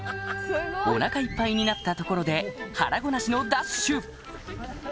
お腹いっぱいになったところで腹ごなしのダッシュ！